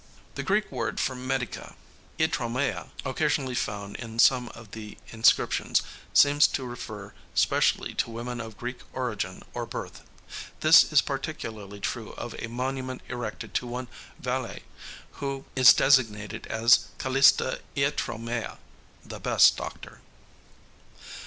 The Greek word for medica iatromaia occasionally found in some of the inscriptions, seems to refer specially to women of Greek origin or birth. This is particularly true of a monument erected to one Valiæ, who is designated as Kalista iatromaia the best doctor.